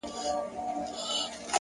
د حقیقت لاره که اوږده وي روښانه وي!